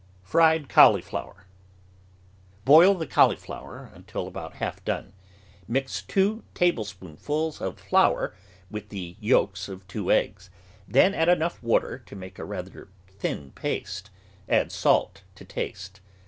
FRIED CAULIFLOWER Boil the cauliflower until about half done; mix two tablespoonfuls of flour with the j^olks of two eggs, then add enough water to make a rather thin paste; add salt to taste.